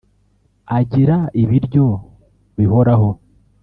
agira ibiryo bihoraho